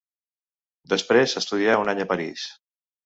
Després estudià un any París.